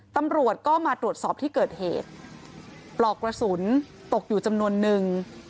ตำรวจก็มาตรวจสอบที่เกิดเหตุปลอกกระสุนตกอยู่จำนวนนึง